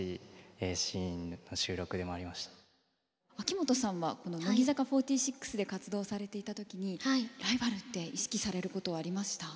秋元さんはこの乃木坂４６で活動されていた時にライバルって意識されることはありました？